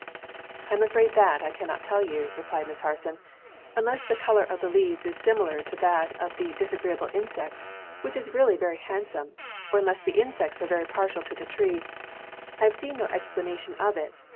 "I am afraid that I cannot tell you," replied Miss Harson, "unless the color of the leaves is similar to that of the 'disagreeable insect,' which is really very handsome, or unless the insects are very partial to the tree; I have seen no explanation of it.